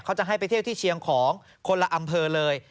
เขาจะให้ไปเที่ยวที่เชียงของคนละอำเภอเลย